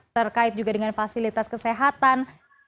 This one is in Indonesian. terkait juga dengan fasilitas kesehatan